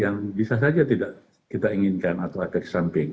yang bisa saja tidak kita inginkan atau efek samping